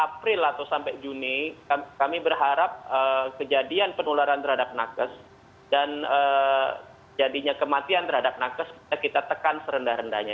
april atau sampai juni kami berharap kejadian penularan terhadap nakes dan jadinya kematian terhadap nakes bisa kita tekan serendah rendahnya